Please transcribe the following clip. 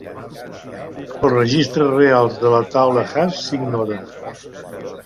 Els registres reals de la taula hash s'ignoren.